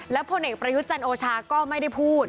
พลเอกประยุทธ์จันโอชาก็ไม่ได้พูด